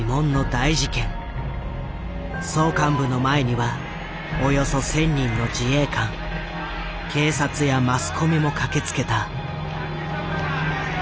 総監部の前にはおよそ１，０００人の自衛官警察やマスコミも駆けつけた。